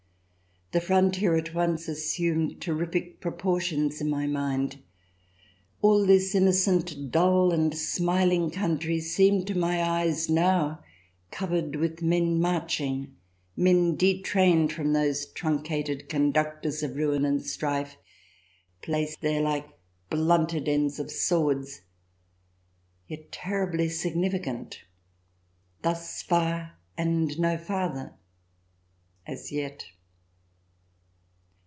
The frontier at once assumed terrific proportions in my mind. All this innocent, dull, and smiling country seemed to my eyes now covered with men marching, 324 THE DESIRABLE ALIEN [ch. xxii men detrained from those truncated conductors of ruin and strife, placed there like blunted ends of swords — yet terribly significant. ... Thus far and no farther — as yet